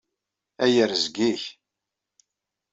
Ay arezg-ik!